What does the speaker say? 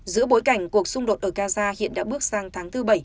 giữa bối cảnh cuộc xung đột ở gaza hiện đã bước sang tháng thứ bảy